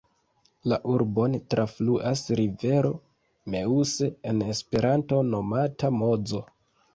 La urbon trafluas rivero Meuse, en Esperanto nomata Mozo.